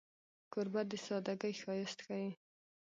کوربه د سادګۍ ښایست ښيي.